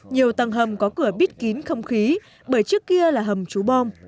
nhiều tầng hầm có cửa bít kín không khí bởi trước kia là hầm trú bom